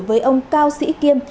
với ông cao sĩ kiêm